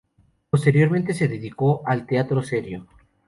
Posteriormente se dedicó al teatro serio.